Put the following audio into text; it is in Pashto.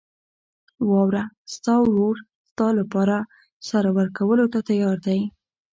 واوره، ستا ورور ستا لپاره سر ورکولو ته تیار دی.